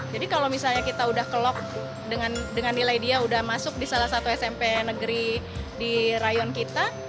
jadi kalau misalnya kita udah kelok dengan dengan nilai dia udah masuk di salah satu smp negeri di rayon kita